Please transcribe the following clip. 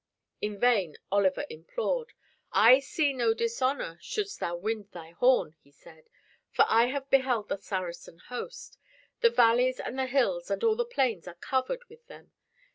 In vain Oliver implored. "I see no dishonor shouldst thou wind thy horn," he said, "for I have beheld the Saracen host. The valleys and the hills and all the plains are covered with them.